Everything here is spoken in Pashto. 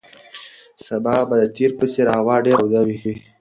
سبا به د تېر په څېر هوا ډېره توده وي.